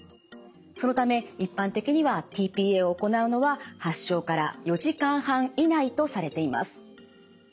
そのため一般的にはｔ−ＰＡを行うのは発症から４時間半以内とされています。